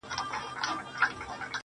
مرغه نه سي څوک یوازي په هګیو؛